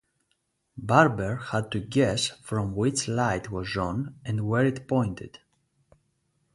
Barber had to guess from which light was on and where it pointed.